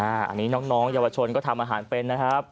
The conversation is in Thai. อันนี้น้องเยาวชนก็ทำอาหารเป็นนะครับ